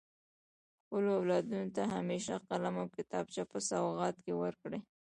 خپلو اولادونو ته همیشه قلم او کتابچه په سوغات کي ورکړئ.